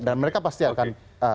dan mereka pasti akan